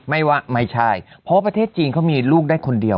ไม่ว่าไม่ใช่เพราะว่าประเทศจีนเขามีลูกได้คนเดียว